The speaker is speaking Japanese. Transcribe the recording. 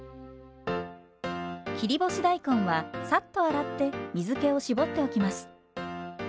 切り干し大根はサッと洗って水けをしぼっておきます。